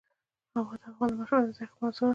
هوا د افغان ماشومانو د زده کړې موضوع ده.